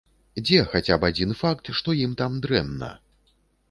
Дзе хаця б адзін факт, што ім там дрэнна?